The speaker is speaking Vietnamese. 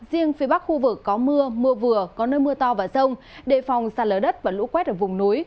riêng phía bắc khu vực có mưa mưa vừa có nơi mưa to và sông đề phòng sản lỡ đất và lũ quét ở vùng núi